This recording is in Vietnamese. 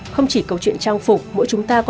không chỉ câu chuyện trang phục